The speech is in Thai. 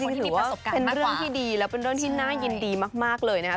จริงถือว่าเป็นเรื่องที่ดีและเป็นเรื่องที่น่ายินดีมากเลยนะคะ